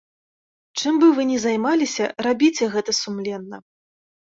Чым бы вы ні займаліся, рабіце гэта сумленна.